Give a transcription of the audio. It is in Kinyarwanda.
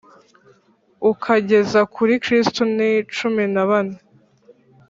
ukageza kuri Kristo ni cumi na bane